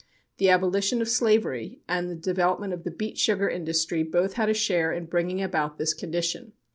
The abolition of slavery and the development of the beet sugar industry both had a share in bringing about this condition.